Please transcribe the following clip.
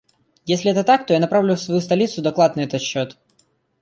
Если это так, то я направлю в свою столицу доклад на этот счет.